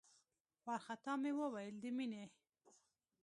وارخطا مې وويل د مينې.